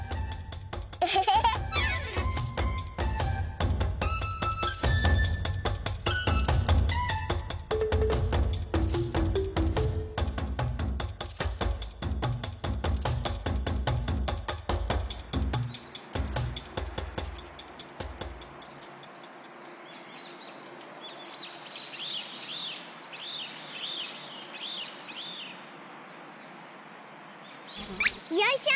エヘヘヘ。よいしょ！